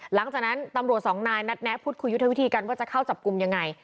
หลังจากนั้นตำรวจสองนายนัดแนะพูดคุยยุทธวิธีกันว่าจะเข้าจับกลุ่มยังไง